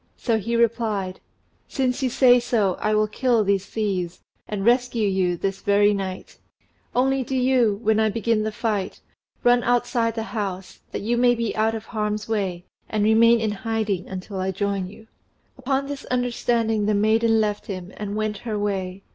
So he replied "Since you say so, I will kill these thieves, and rescue you this very night; only do you, when I begin the fight, run outside the house, that you may be out of harm's way, and remain in hiding until I join you." Upon this understanding the maiden left him, and went her way.